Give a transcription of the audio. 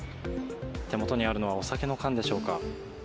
手元にあるのはお酒の缶でしょうか。